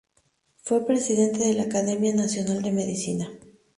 Fue presidente de la Academia Nacional de Medicina.